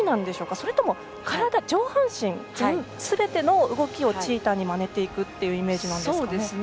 それとも、体上半身すべての動きをチーターをまねていくというイメージなんですかね。